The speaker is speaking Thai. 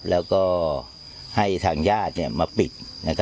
แล้วก็ให้ทางญาติมาปิด